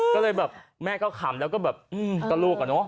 ก็เลยแบบแม่ก็ขำแล้วก็แบบก็ลูกอะเนาะ